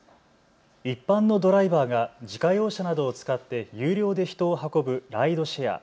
一般のドライバーが自家用車などを使って有料で人を運ぶライドシェア。